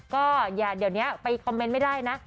ก็อย่าเดี๋ยวนี้ไปคอมเม้นไม่ได้นะ